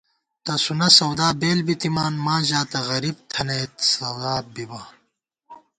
تسُونہ سَودا بېل بِتِمان ماں ژاتہ غریب تھنَئیت ثواب بِبہ